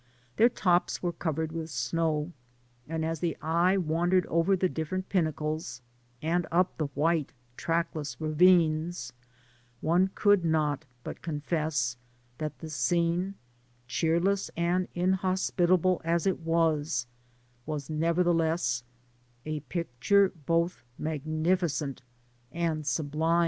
Their tops were covered with snow ; and as the eye wandered over the different pinnacles, and up the white trackless ravines, one could not but confess that the scene, cheerless and inhospitable as it appeared, was never theless a picture both magnificent and sublime.